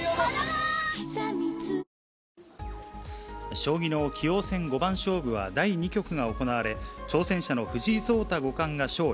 将棋の棋王戦五番勝負は第２局が行われ、挑戦者の藤井聡太五冠が勝利。